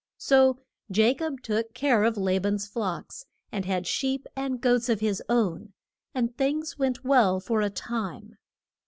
So Ja cob took care of La ban's flocks, and had sheep and goats of his own, and things went well for a time.